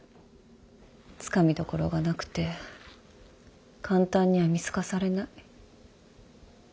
つかみどころがなくて簡単には見透かされない。